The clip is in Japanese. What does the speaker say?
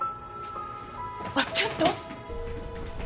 あっちょっと！